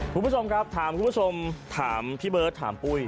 คุณผู้ชมครับถามคุณผู้ชมถามพี่เบิร์ตถามปุ้ย